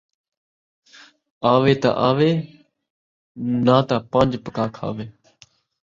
آوے تاں آوے، ناتاں پنج پکا کھاوے